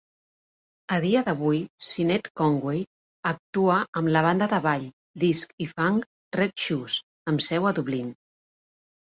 A dia d'avui, Sinead Conway actua amb la banda de ball, disc i "funk" Red Shoes, amb seu a Dublín.